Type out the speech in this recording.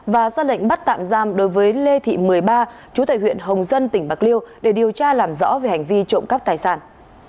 và ra lệnh bắt tạm giam đối với lê thị một mươi ba chú tại huyện hồng dân tỉnh bạc liêu để điều tra làm rõ về hành vi trộm cắp tài sản